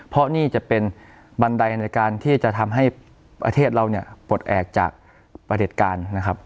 เพราะนี่จะเป็นบันไดในการที่จะทำให้ประเทศเราเนี่ยปลดออกจากประเด็จการนะครับ